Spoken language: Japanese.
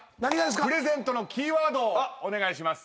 プレゼントのキーワードをお願いします。